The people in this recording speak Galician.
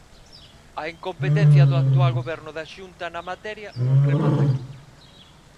A incompetencia do actual goberno da Xunta na materia non remata aquí.